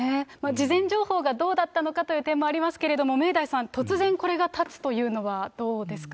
事前情報がどうだったのかという点もありますけれども、明大さん、突然、これがたつというのは、どうですか？